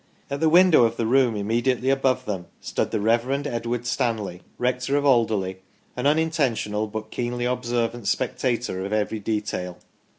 At the window of the room immediately above them stood the Rev. Edward Stanley, Rector of Alderley, an unin tentional but keenly observant spectator of every detail.